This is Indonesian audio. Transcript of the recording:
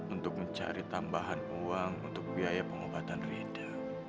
untuk mencari tambahan uang untuk biaya pengobatan rida